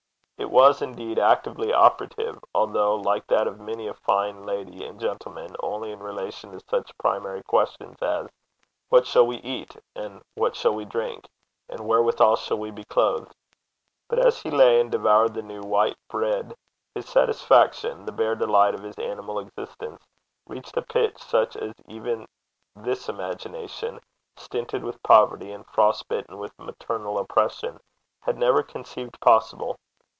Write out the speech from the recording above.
It was, indeed, actively operative, although, like that of many a fine lady and gentleman, only in relation to such primary questions as: 'What shall we eat? And what shall we drink? And wherewithal shall we be clothed?' But as he lay and devoured the new 'white breid,' his satisfaction the bare delight of his animal existence reached a pitch such as even this imagination, stinted with poverty, and frost bitten with maternal oppression, had never conceived possible.